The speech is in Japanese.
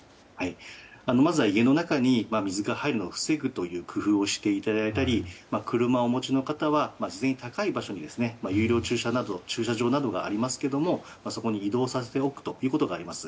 まずは家の中に水が入るのを防ぐという工夫をしていただいたり車をお持ちの方は事前に高い場所に有料駐車場などがありますけどもそこに移動させておくということがあります。